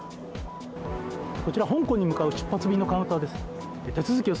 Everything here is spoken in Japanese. こちら、香港に向かう出発便のカウンターです。